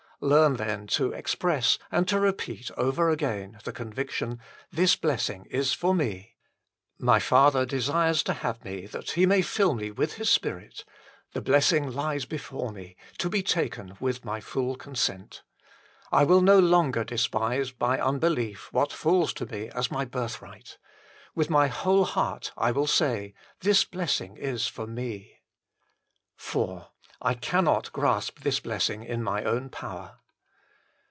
Learn, then, to express and to repeat over again the conviction :" This blessing is for me. My Father desires to have me that He may fill HOW IT IS OBTAINED BY US 83 me with His Spirit. The blessing lies before me, to be taken with my full consent. I will no longer despise by unbelief what falls to me as my birthright. With my whole heart I will say : This blessing is for me. " IV / cannot grasp this blessing in my own power.